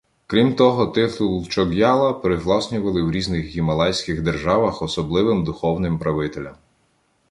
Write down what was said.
Крім того, титул чоґ'яла привласнювали в різних гімалайських державах особливим духовним правителям.